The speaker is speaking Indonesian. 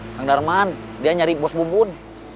kang darman dia nyari bos bu bun